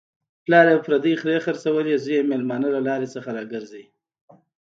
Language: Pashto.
پلار یې پردۍ خرې خرڅولې، زوی یې مېلمانه له لارې را گرځوي.